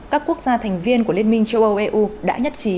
các quốc gia thành viên của liên minh châu âu eu đã nhất trí